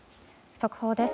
速報です。